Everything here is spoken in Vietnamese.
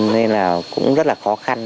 nên là cũng rất là khó khăn